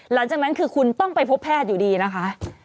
หลังจากนั้นคือคุณต้องไปพบแพทย์อยู่ดีนะคะ